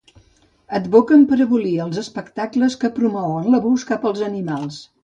Advoquem per abolir els espectacles que promouen l'abús cap als animals.